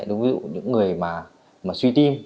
đúng ví dụ những người mà suy tin